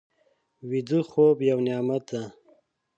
ویده خوب یو نعمت دی